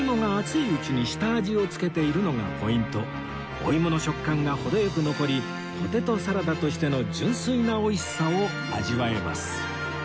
お芋の食感が程良く残りポテトサラダとしての純粋な美味しさを味わえます